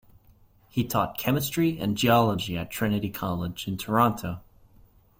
He taught chemistry and geology at Trinity College in Toronto.